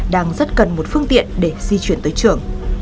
đang rất cần một phương tiện để di chuyển tới trường